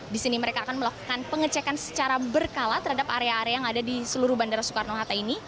di sini mereka akan melakukan pengecekan secara berkala terhadap area area yang ada di seluruh bandara soekarno hatta ini